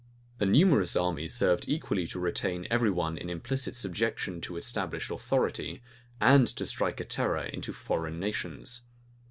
A numerous army served equally to retain every one in implicit subjection to established authority, and to strike a terror into foreign nations.